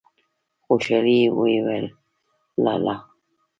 خوشالی يې وويل: لا لا!